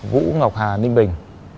vũ ngọc hà ninh bình